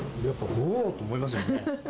おおって思いますよね。